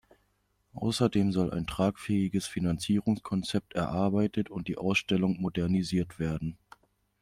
Außerdem soll ein tragfähiges Finanzierungskonzept erarbeitet und die Ausstellung modernisiert werden.